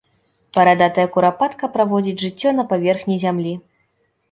Барадатая курапатка праводзіць жыццё на паверхні зямлі.